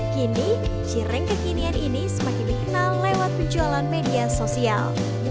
kini cireng kekinian ini semakin dikenal lewat penjualan media sosial